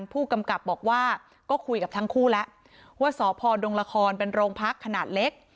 ผู้กำกับบอกว่าก็คุยกับทั้งคู่แล้วว่าสพดงละครเป็นโรงพักขนาดเล็ก